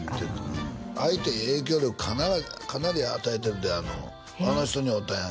相手へ影響力かなり与えてるであの人に会うたんよ